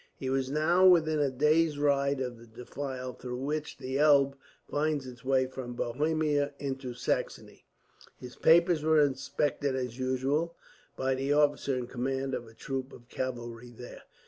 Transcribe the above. He was now within a day's ride of the defile through which the Elbe finds its way from Bohemia into Saxony. His papers were inspected, as usual, by the officer in command of a troop of cavalry there.